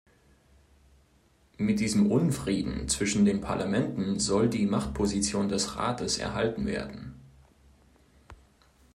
Mit diesem Unfrieden zwischen den Parlamenten soll die Machtposition des Rates erhalten werden.